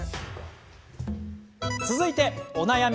続いてお悩み